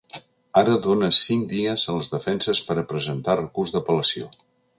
Ara dóna cinc dies a les defenses per a presentar recurs d’apel·lació.